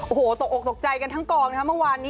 โอ้โหตกอกตกใจกันทั้งกลางเมื่อวานนี้